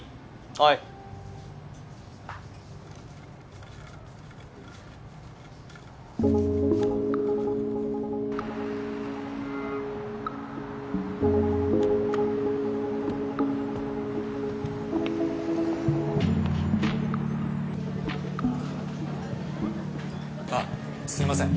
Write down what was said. はいあっすいません